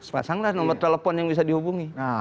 pasanglah nomor telepon yang bisa dihubungi